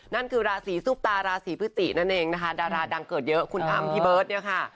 นั่นคือราศีซุปตาราศีพฤตินั่นเองนะคะดาราดังเกิดเยอะคุณอำพี่เบิร์ตเนี่ยค่ะ